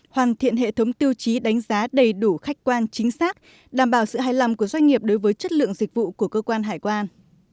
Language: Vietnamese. hoàn thiện hệ thống tiêu chí đánh giá đầy đủ khách quan chính xác đảm bảo sự hài lòng của doanh nghiệp đối với chất lượng dịch vụ của cơ quan hải quan